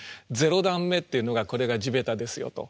０段目っていうのがこれが地べたですよと。